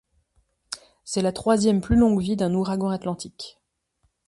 C'est la troisième plus longue vie d'un ouragan atlantique.